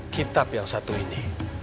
kitab yang satu ini